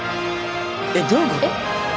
えっどういうこと？